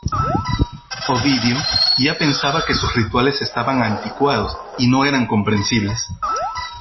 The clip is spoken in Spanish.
Ovidio ya pensaba que sus rituales estaban anticuados y no eran comprensibles.